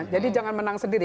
jadi jangan menang sendiri